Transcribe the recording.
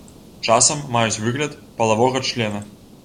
Часам маюць выгляд палавога члена.